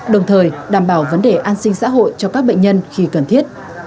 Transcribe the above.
đồng thời đảm bảo vấn đề an sinh xã hội cho các bệnh nhân khi cần thiết